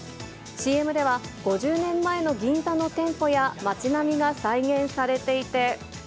ＣＭでは５０年前の銀座の店舗や街並みが再現されていて。